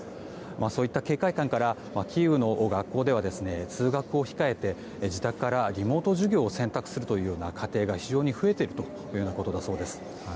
そういった警戒感からキーウの学校では通学を控えて、自宅からリモート授業を選択する家庭が非常に増えているということだそうです。